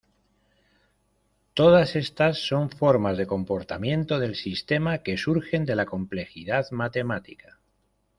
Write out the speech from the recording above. Todas estas son formas de comportamiento del sistema que surgen de la complejidad matemática.